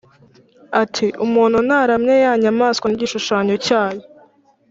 ati “Umuntu naramya ya nyamaswa n’igishushanyo cyayo,